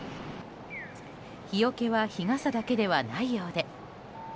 日よけは日傘だけではないようで。